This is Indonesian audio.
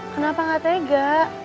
kenapa gak tega